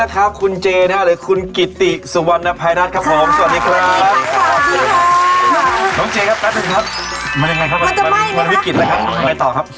ไข่หมูสับน้ำกอกนี่แหละ